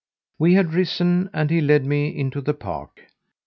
We had risen, and he led me into the park.